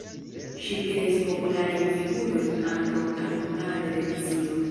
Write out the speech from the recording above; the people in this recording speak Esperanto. Ŝi kreis popularajn figurojn ankaŭ al Hungara Televizio.